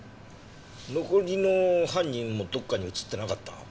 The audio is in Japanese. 残りの犯人もどっかに映ってなかった？